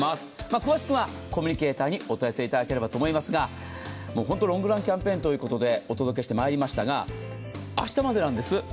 詳しくはコミュニケーターにお問い合わせいただければと思いますが、本当にロングランキャンペーンということでお届けしてまいりましたが、明日までなんです。